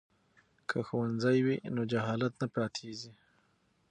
که ښوونځی وي نو جهالت نه پاتیږي.